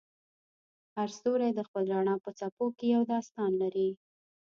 هر ستوری د خپل رڼا په څپو کې یو داستان لري.